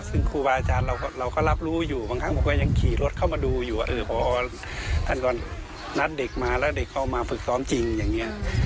ศึกซ้อมจริงอย่างนี้